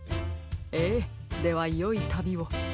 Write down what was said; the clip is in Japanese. ええではよいたびを。